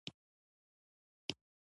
پښتو ژبه د بښتنو د ژوند ږغ دی